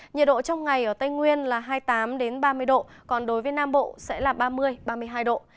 nhiệt độ trong ngày ở tây nguyên là hai mươi tám ba mươi độ còn đối với nam bộ sẽ là ba mươi ba mươi hai độ